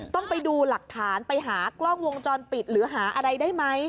ต้องไปดูหลักฐานไปหากล้องวงจรปิดหรือหาอะไรได้ไหม